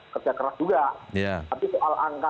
kerja keras juga tapi soal angka